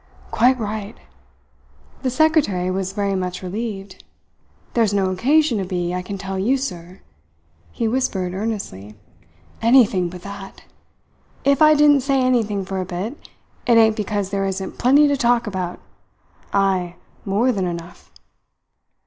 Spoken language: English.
"Quite right!" The secretary was very much relieved. "There's no occasion to be, I can tell you, sir," he whispered earnestly. "Anything but that! If I didn't say anything for a bit, it ain't because there isn't plenty to talk about. Ay, more than enough."